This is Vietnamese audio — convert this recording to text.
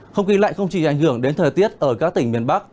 không khí lạnh không chỉ ảnh hưởng đến thời tiết ở các tỉnh miền bắc